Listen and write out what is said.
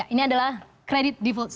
ini adalah credit default swap